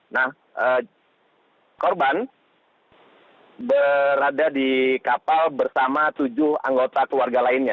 nah korban berada di kapal bersama tujuh anggota keluarga lainnya